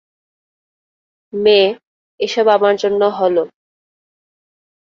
মে, এসব আমার জন্য হলো।